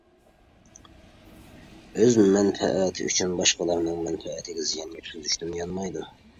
ئۆز مەنپەئەتى ئۈچۈن باشقىلارنىڭ مەنپەئەتىگە زىيان يەتكۈزۈشتىن يانمايدۇ.